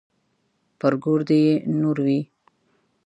پر ګور دې يې نور وي.